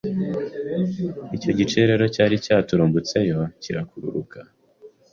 icyo gice rero cyari cyaturumbutseyo kirakururuka